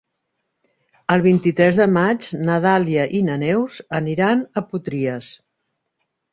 El vint-i-tres de maig na Dàlia i na Neus aniran a Potries.